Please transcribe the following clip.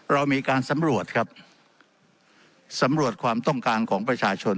เรามีการสำรวจครับสำรวจความต้องการของประชาชน